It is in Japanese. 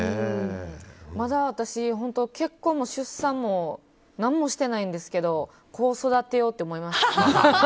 まだ私、結婚も出産も何もしてないんですけどこう育てようって思いました。